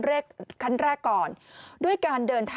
เลือกกันแรกก่อน